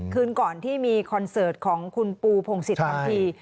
คืนก่อนที่มีคอนเสิร์ตของคุณปูพงศิษย์ทันที